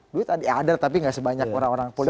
duit ada tapi nggak sebanyak orang orang politik